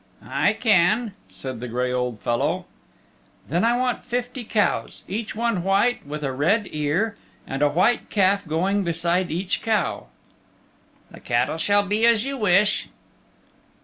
"I can," said the gray old fellow. "Then I want fifty cows, each one white with a red ear, and a white calf going beside each cow." "The cattle shall be as you wish."